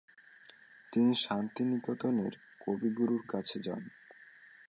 তিনি শান্তিনিকেতনে কবিগুরুর কাছে যান।